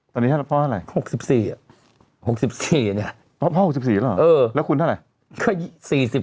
ก็เข้ากับพ่อชั้นตอนนี้อ่ะ๖๔๖๔เนี่ย๖๔แล้วคุณให้๔๐